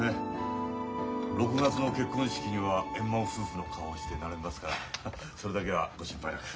６月の結婚式には円満夫婦の顔して並びますからそれだけはご心配なく。